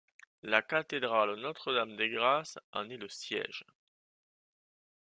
La cathédrale Notre-Dame-des-Grâces en est le siège.